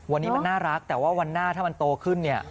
วันนี้มันน่ารักแต่ว่าวันหน้าถ้ามันโตขึ้นเนี่ย